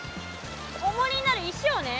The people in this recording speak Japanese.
おもりになる石をね